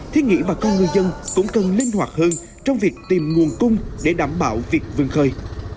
thế nghĩ bà con ngư dân cũng cần linh hoạt hơn trong việc tìm nguồn cung để đảm bảo việc vương khơi